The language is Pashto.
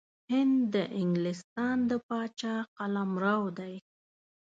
هند د انګلستان د پاچا قلمرو دی.